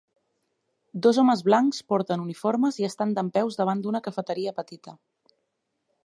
Dos homes blancs porten uniformes i estan dempeus davant d'una cafeteria petita